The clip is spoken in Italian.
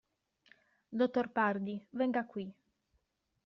Dottor Pardi, venga qui.